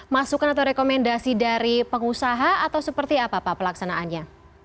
masukan atau rekomendasi dari pengusaha atau seperti apa pak pelaksanaannya